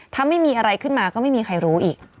ถ้าไม่มีอะไรขึ้นมาก็ไม่มีใครรู้อีก